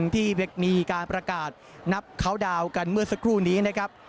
ที่มีการประกาศนับเขาดาวน์กันเมื่อสักครู่นี้นะครับ